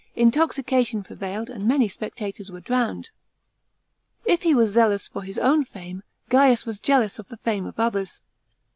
Intoxication prevailed and many spectators were drowned. If he was zealous for his own fame, Gaius was jealous of the fame of others.